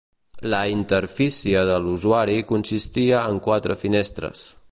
La interfície de l'usuari consistia en quatre finestres.